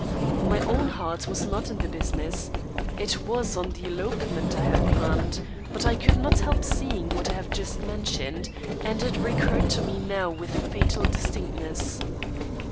My own heart was not in the business; it was on the elopement I had planned; but I could not help seeing what I have just mentioned, and it recurred to me now with fatal distinctness.